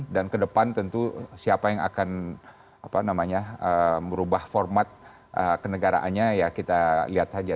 dan kedepan tentu siapa yang akan apa namanya merubah format kenegaraannya ya kita lihat saja